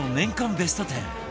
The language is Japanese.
ベスト１０